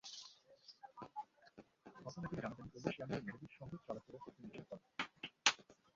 ঘটনাটি জানাজানি হলে সিয়ামকে মেহেদীর সঙ্গে চলাফেরা করতে নিষেধ করা হয়।